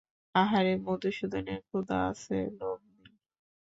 আহারে মধুসূদনের ক্ষুধা আছে, লোভ নেই।